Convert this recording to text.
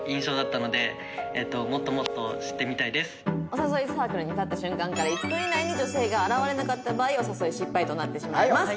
お誘いサークルに立った瞬間から１分以内に女性が現れなかった場合お誘い失敗となってしまいます。